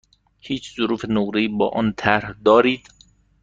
هیچ ظروف نقره ای با آن طرح دارید؟